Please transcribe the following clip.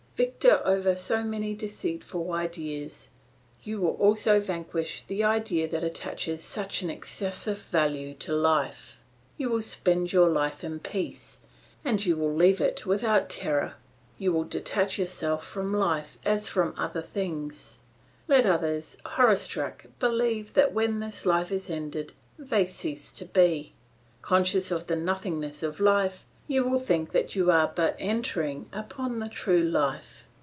Victor over so many deceitful ideas, you will also vanquish the idea that attaches such an excessive value to life. You will spend your life in peace, and you will leave it without terror; you will detach yourself from life as from other things. Let others, horror struck, believe that when this life is ended they cease to be; conscious of the nothingness of life, you will think that you are but entering upon the true life.